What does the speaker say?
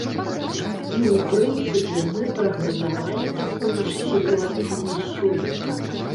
І, у прынцыпе, мы прагназавалі такую ж сітуацыю і сёлета.